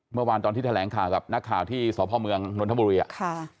เมื่อวานที่ทะแหลงข่าวกับหนักข่าวที่สเผ้าเมืองตธบุริอะ